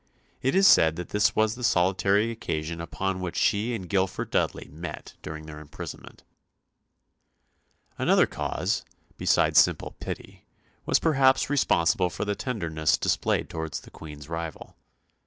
It is said that this was the solitary occasion upon which she and Guilford Dudley met during their imprisonment. Another cause, besides simple pity, was perhaps responsible for the tenderness displayed towards the Queen's rival.